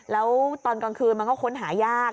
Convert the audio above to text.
แล้วตอนกลางคืนมันก็ค้นหายาก